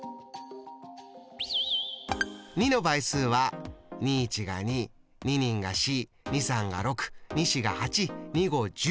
２の倍数は２１が２２２が４２３が６２４が８２５１０。